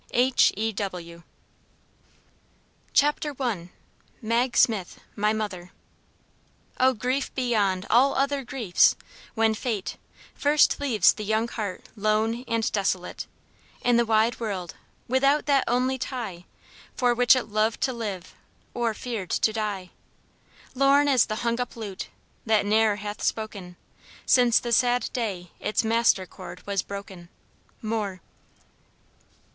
H. E. W. OUR NIG. CHAPTER I. MAG SMITH, MY MOTHER. Oh, Grief beyond all other griefs, when fate First leaves the young heart lone and desolate In the wide world, without that only tie For which it loved to live or feared to die; Lorn as the hung up lute, that ne'er hath spoken Since the sad day its master chord was broken! MOORE.